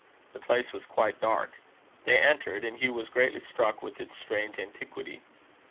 The place was quite dark. They entered; and Hugh was greatly struck with its strange antiquity.